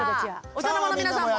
お茶の間の皆さんも。